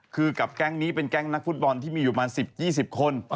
คือกับแก๊งนี้เป็นแก๊งนักฟุตบอลที่มีอยู่ประมาณ๑๐๒๐คน